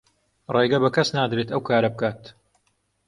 ڕێگە بە کەس نادرێت ئەو کارە بکات.